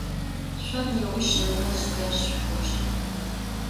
Şso nêuş nenezj dej şsuk'oşt.